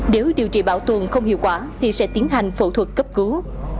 nếu điều trị bảo tồn không hiệu quả thì sẽ tiến hành phẫu thuật cấp cứu